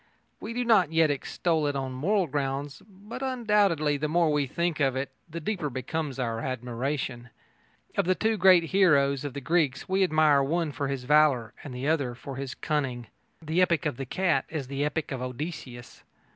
We do not yet extol it on moral grounds, but undoubtedly, the more we think of it, the deeper becomes our admiration. Of the two great heroes of the Greeks we admire one for his valour and one for his cunning. The epic of the cat is the epic of Odysseus.